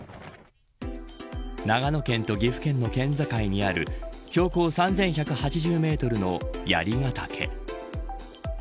長野県と岐阜県の県境にある標高３１８０メートルの槍ヶ岳。